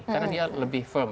karena dia lebih firm